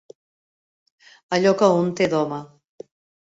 Allò que un té d'home.